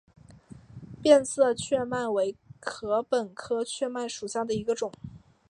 变色雀麦为禾本科雀麦属下的一个种。